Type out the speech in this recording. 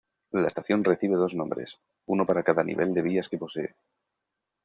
La estación recibe dos nombres, uno para cada nivel de vías que posee.